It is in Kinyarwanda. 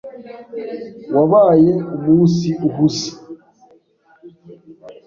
Wabaye umunsi uhuze.